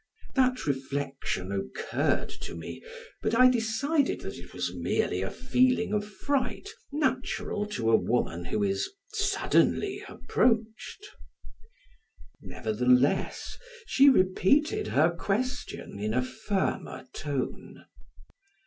That reflection occurred to me, but I decided that it was merely a feeling of fright natural to a woman who is suddenly approached. Nevertheless, she repeated her question in a firmer tone.